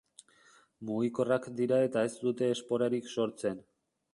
Mugikorrak dira eta ez dute esporarik sortzen.